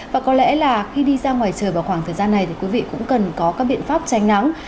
và có lẽ là khi đi ra ngoài trời vào khoảng thời gian này thì quý vị cũng cần có các biện pháp tránh nắng